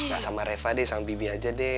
gak sama reva deh sama bibi aja deh